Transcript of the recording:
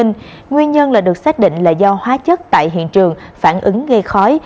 nguyên nhân được xác định là do hóa chất tại hiện trường phản ứng ngay khói